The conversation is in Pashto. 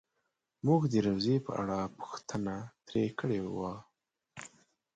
مونږ د روضې په اړه پوښتنه ترې کړې وه.